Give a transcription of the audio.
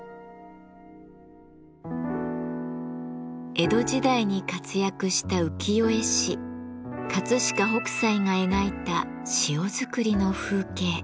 江戸時代に活躍した浮世絵師飾北斎が描いた塩作りの風景。